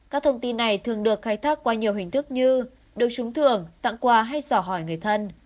các thông tin này thường được khai thác qua nhiều hình thức như được trúng thưởng tặng quà hay giỏ hỏi người thân